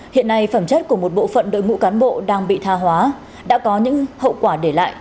hiện nay phẩm chất của một bộ phận đội ngũ cán bộ đang bị tha hóa đã có những hậu quả để lại